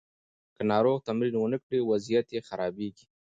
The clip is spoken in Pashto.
که ناروغ تمرین ونه کړي، وضعیت یې خرابیږي.